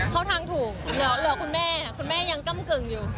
เข้าทางถูกเหลือคุณแม่คุณแม่ยังกำกึ่งอยู่